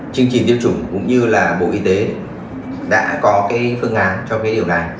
chương trình tiêm chủng cũng như là bộ y tế đã có cái phương án cho cái điều này